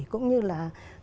cũng như là